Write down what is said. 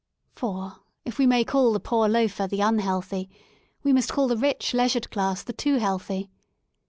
For if we may call the poor loafer the unhealthy, we must call the rich leisured class the too healthy.